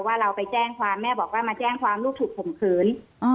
ว่าเราไปแจ้งความแม่บอกว่ามาแจ้งความลูกถูกข่มขืน